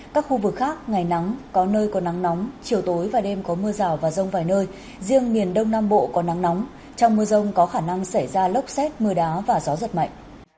các khu vực khác ngày nắng có nơi có nắng nóng chiều tối và đêm có mưa rào và rông vài nơi riêng miền đông nam bộ có nắng nóng trong mưa rông có khả năng xảy ra lốc xét mưa đá và gió giật mạnh